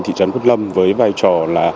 thị trấn quất lâm với vai trò